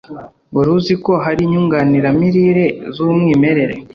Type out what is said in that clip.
Wari uzi ko hari inyunganiramirire z'umwimerere